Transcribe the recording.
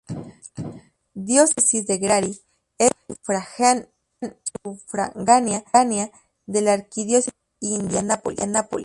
La Diócesis de Gary es sufragánea de la Arquidiócesis de Indianápolis.